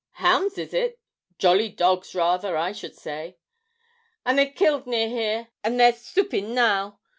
'Hounds, is it? jolly dogs, rather, I should say.' 'Ay, they've killed near here, and they're soopin' now.